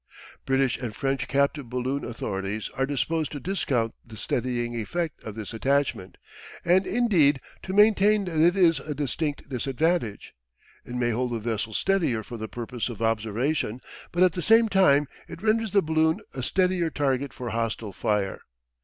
British and French captive balloon authorities are disposed to discount the steadying effect of this attachment, and, indeed, to maintain that it is a distinct disadvantage. It may hold the vessel steadier for the purpose of observation, but at the same time it renders the balloon a steadier target for hostile fire.